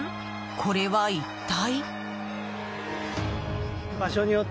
これは一体。